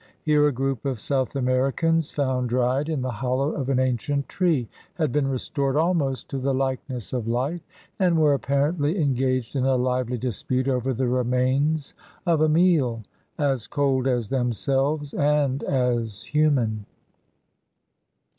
Here a group of South Americans, found dried in the hollow of an ancient tree, had been restored almost to the likeness of life, and were apparently engaged in a lively dispute over the remains of a meal as cold as themselves and as human.